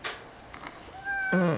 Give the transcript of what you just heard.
うん。